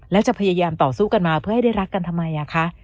แล้วจะพยายามต่อสู้กันมาเพื่อให้ได้รักกันทำไมคะ